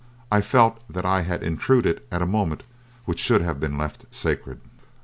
I felt that I had intruded at a moment which should have been left sacred.